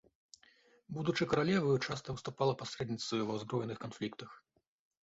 Будучы каралеваю, часта выступала пасрэдніцаю ва ўзброеных канфліктах.